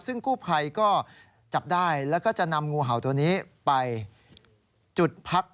ซึ่งกู้ภัยก็จับได้แล้วก็จะนำงูเห่าตัวนี้ไปจุดพัก